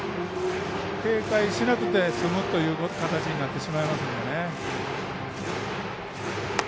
警戒しなくて済むというような形になってしまいますよね。